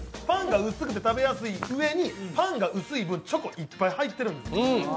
パンが薄くて食べやすいうえにパンが薄い分、チョコいっぱい、入ってるんです。